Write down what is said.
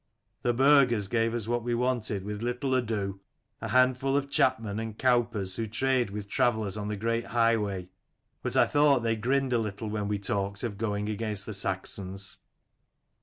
The burgers gave us what we wanted with little ado : a handful of chapmen and cowpers who trade with travellers on the great highway. But I thought they grinned a little when we talked of going against the Saxons.